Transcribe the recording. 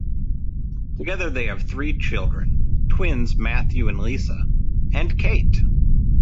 Together they have three children: twins Matthew and Liza, and Kate.